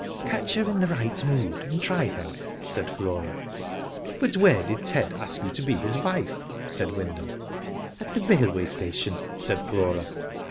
"Catch her in the right mood, and try her." said Flora. "But where did Ted ask you to be his wife?" said Wyndham. *'At the railway station, said Flora.